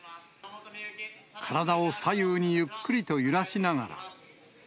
体を左右にゆっくりと揺らしながら。